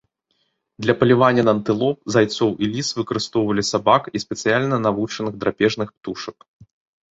Для палявання на антылоп, зайцоў і ліс выкарыстоўвалі сабак і спецыяльна навучаных драпежных птушак.